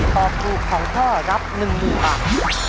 ตอบถูกของพ่อรับหนึ่งลูกบัง